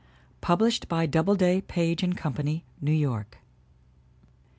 Published by Doubleday, Page & Company, New York.